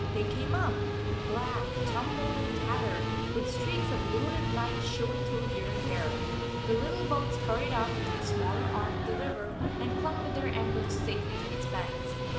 They came up, black, tumbled, and tattered, with streaks of lurid light showing through here and there. The little boats scurried off into the smaller arm of the river and clung with their anchors safely to its banks.